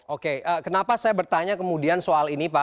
oke kenapa saya bertanya kemudian soal ini pak